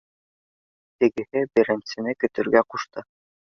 Тегеһе беренсене көтөргә ҡушты